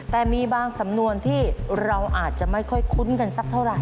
แต่มีบางสำนวนที่เราอาจจะไม่ค่อยคุ้นกันสักเท่าไหร